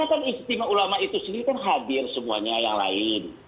karena kan istimewa ulama itu sendiri kan hadir semuanya yang lain